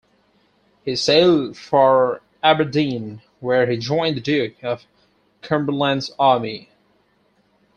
He sailed for Aberdeen where he joined the Duke of Cumberland's army.